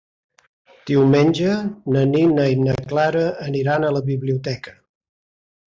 Diumenge na Nina i na Clara aniran a la biblioteca.